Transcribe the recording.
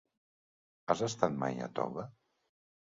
Has estat mai a Toga?